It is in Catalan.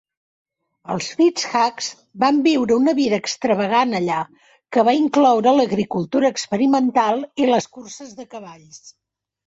El Fitzhughs van viure una vida extravagant allà que va incloure l'agricultura experimental i les curses de cavalls.